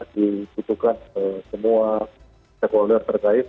dikutukan semua stakeholder terkait